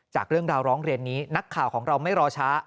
จากเรื่องราวร้องเรียนนี้นักข่าวของเราไม่รอช้า